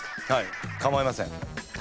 はいかまいません。